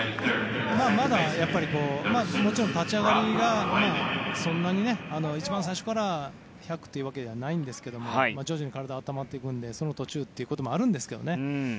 もちろん立ち上がりはそんなに一番最初から１００というわけではないんですが徐々に体が温まっていくのでその途中ということもあるんですけどね。